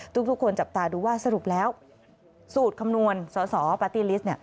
ทุกคนจับตาดูว่าสรุปแล้วสูตรคำนวณสอสอปาร์ตี้ลิสต์